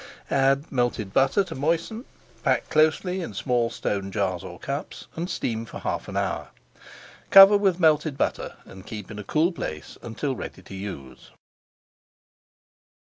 Add melted butter to moisten, pack closely in small stone jars or cups and steam for half an hour. Cover with melted butter and keep in a cool place until ready to use.